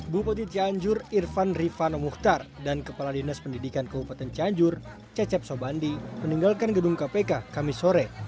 bupati cianjur irfan rifano muhtar dan kepala dinas pendidikan kabupaten cianjur cecep sobandi meninggalkan gedung kpk kamisore